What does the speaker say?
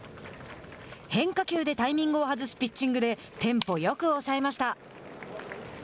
変化球でタイミングを外すピッチングでテンポよく抑えました。